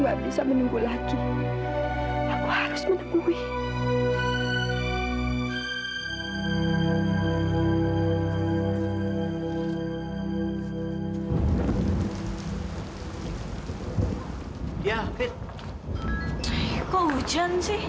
ibu mencintai kamu evita